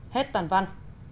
hết toàn văn